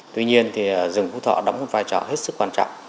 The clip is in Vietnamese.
tuy nhiên thì rừng phú thọ đóng một vai trò hết sức quan trọng